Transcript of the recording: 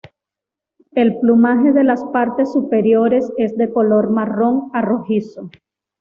El plumaje de las partes superiores es de color marrón a rojizo.